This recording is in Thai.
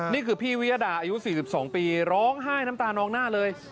นี่คือพี่วิยดาอายุ๔๒ปีร้องไห้น้ำตานองหน้าเลย